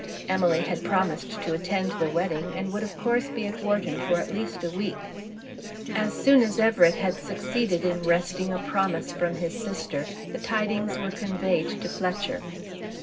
Emily had promised to attend the wedding, and would of course be at Wharton for at least a week. As soon as Everett had succeeded in wresting a promise from his sister, the tidings were conveyed to Fletcher.